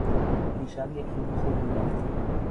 دیشب یک فیلم خوب دیدم.